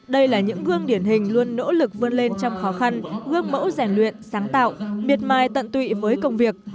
đây là những gương điển hình luôn nỗ lực vươn lên trong khó khăn gương mẫu rèn luyện sáng tạo miệt mài tận tụy với công việc